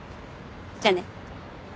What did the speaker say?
じゃあね。